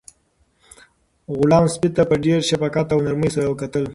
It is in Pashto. غلام سپي ته په ډېر شفقت او نرمۍ سره کتل.